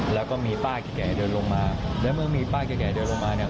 แล้วก็มีป้าแก่เดินลงมาแล้วเมื่อมีป้าแก่เดินลงมาเนี่ย